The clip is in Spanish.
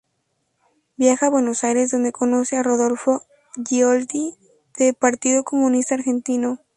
Viaja a Buenos Aires, donde conoce a Rodolfo Ghioldi, del Partido Comunista Argentino.